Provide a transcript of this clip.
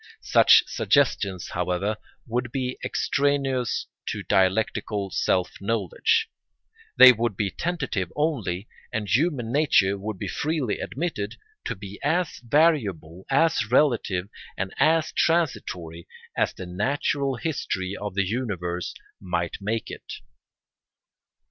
Such suggestions, however, would be extraneous to dialectical self knowledge. They would be tentative only, and human nature would be freely admitted to be as variable, as relative, and as transitory as the natural history of the universe might make it.